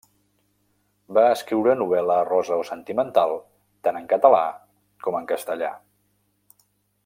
Va escriure novel·la rosa o sentimental, tant en català com en castellà.